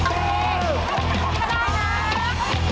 อีกแล้ว